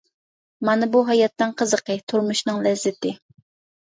مانا بۇ ھاياتنىڭ قىزىقى، تۇرمۇشنىڭ لەززىتى.